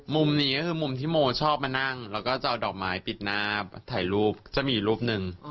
มุมนี้ก็คือมุมที่โมชอบมานั่งแล้วก็จะเอาดอกไม้ปิดหน้าถ่ายรูปจะมีรูปหนึ่ง